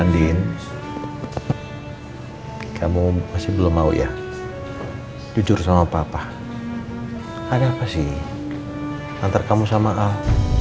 andien kamu masih belum mau ya jujur sama bapak ada apa sih antar kamu sama al